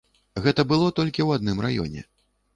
Гэта было толькі ў адным раёне.